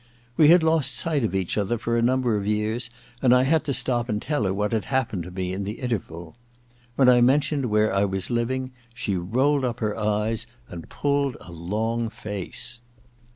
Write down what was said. We had lost sight of each other for a number of years, and I had to stop and tell her what had happened to me in the interval. When I men tioned where I was living she rolled up her eyes and pulled a long face.